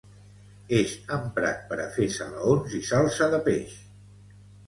És emprat per a fer salaons i salsa de peix.